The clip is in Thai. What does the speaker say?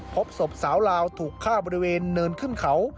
พบศพสาวลาวถูกฆ่าบริเวณเนินขึ้นเขา